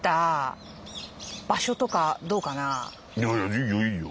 いいよいいよ。